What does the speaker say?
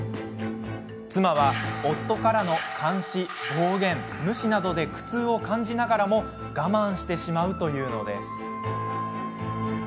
妻は夫からの監視、暴言無視などで苦痛を感じながらも我慢してしまうというのです。